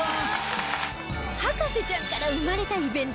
『博士ちゃん』から生まれたイベント